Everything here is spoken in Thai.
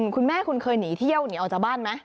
คุณแม่คุณเคยหนีเที่ยวหนีออกจากบ้านไหม